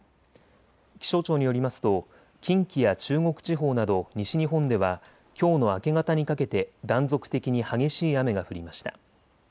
気象庁によりますと近畿や中国地方など西日本ではきょうの明け方にかけて断続的に激しい雨が降りました。